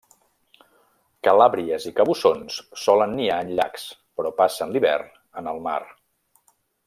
Calàbries i cabussons solen niar en llacs però passen l'hivern en el mar.